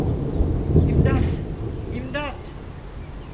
İmdat, imdat!